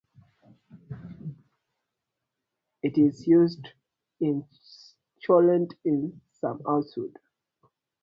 It is used in cholent in some households.